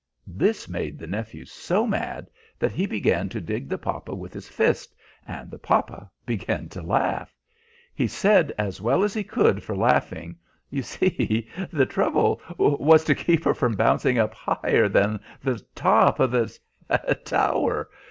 This made the nephew so mad that he began to dig the papa with his fist, and the papa began to laugh. He said, as well as he could for laughing: "You see, the trouble was to keep her from bouncing up higher than the top of the tower.